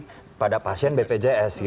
terjadi pada pasien bpjs